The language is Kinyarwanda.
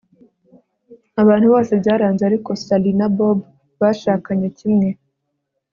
abantu bose barabyanze, ariko sally na bob bashakanye kimwe